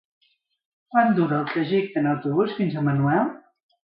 Quant dura el trajecte en autobús fins a Manuel?